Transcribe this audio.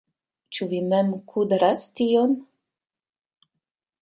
Ĉu vi mem kudras tion?